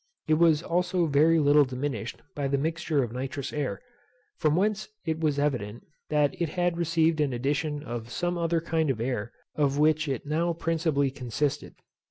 It was also very little diminished by the mixture of nitrous air. From whence it was evident, that it had received an addition of some other kind of air, of which it now principally consisted.